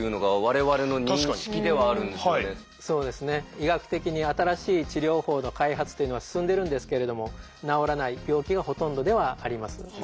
医学的に新しい治療法の開発というのは進んでるんですけれども治らない病気がほとんどではあります。